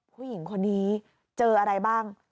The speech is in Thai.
ผู้หญิงคนนี้เจออะไรบ้าง